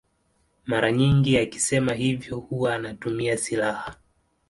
Mara nyingi akisema hivyo huwa anatumia silaha.